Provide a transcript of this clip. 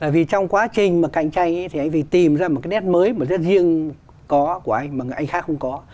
vì trong quá trình mà cạnh tranh thì anh phải tìm ra một cái nét mới một cái nét riêng có của anh mà anh khác không có